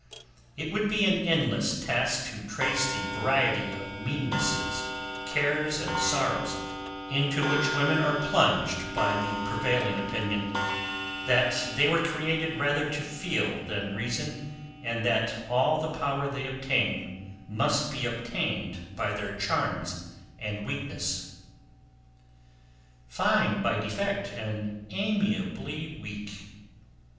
It would be an endless task to trace the variety of meannesses, cares, and sorrows, into which women are plunged by the prevailing opinion, that they were created rather to feel than reason, and that all the power they obtain, must be obtained by their charms and weakness; "Fine by defect, and amiably weak!"